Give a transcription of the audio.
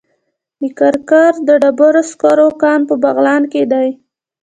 د کرکر د ډبرو سکرو کان په بغلان کې دی